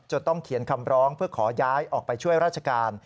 ต้องเขียนคำร้องเพื่อขอย้ายออกไปช่วยราชการ